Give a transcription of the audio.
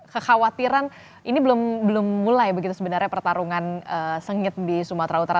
kekhawatiran ini belum mulai begitu sebenarnya pertarungan sengit di sumatera utara